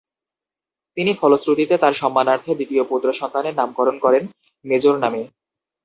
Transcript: তিনি ফলশ্রুতিতে তার সম্মানার্থে দ্বিতীয় পুত্র সন্তানের নামকরণ করেন ‘মেজর’ নামে।